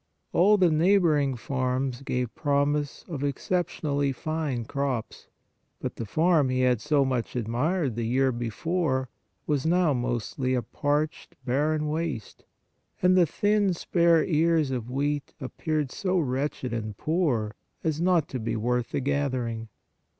All the neighboring farms gave prom ise of exceptionally fine crops, but the farm he had so much admired the year before, was now mostly a parched, barren waste, and the thin spare ears of wheat appeared so wretched and poor as not to be worth the gathering.